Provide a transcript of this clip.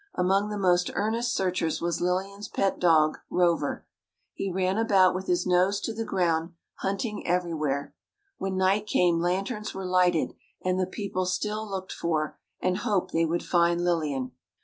Among the most earnest searchers was Lillian's pet dog, Rover. He ran about with his nose to the ground hunting everywhere. When night came lanterns were lighted, and the people still looked for, and hoped they would find, Lillian.